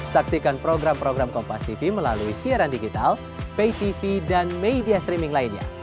saksikan program program kompastv melalui siaran digital paytv dan media streaming lainnya